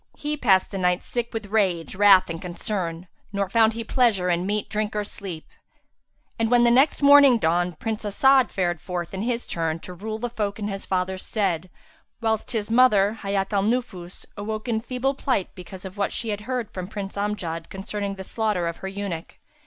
He passed the night, sick with rage, wrath and concern; nor found he pleasure in meat, drink or sleep. And when the next morning dawned Prince As'ad fared forth in his turn to rule the folk in his father's stead, whilst his mother, Hayat al Nufus, awoke in feeble plight because of what she had heard from Prince Amjad concerning the slaughter of her eunuch.